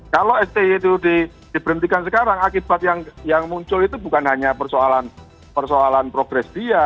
kalau sti itu diberhentikan sekarang akibat yang muncul itu bukan hanya persoalan progres dia